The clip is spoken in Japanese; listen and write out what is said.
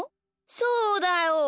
そうだよ！